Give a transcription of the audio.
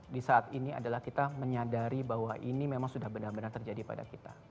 di saat ini adalah kita menyadari bahwa ini memang sudah benar benar terjadi pada kita